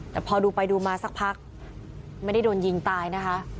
แต่พอดูไปดูมาสักพักไม่ได้โดนยิงตายนะคะ